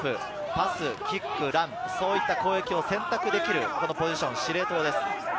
パス、キック、ラン、そういった攻撃を選択できるポジション、司令塔です。